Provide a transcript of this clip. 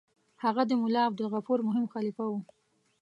هغه د ملا عبدالغفور مهم خلیفه وو.